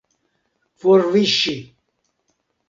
forviŝi